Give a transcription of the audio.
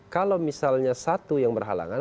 kalau misalnya satu yang berhalangan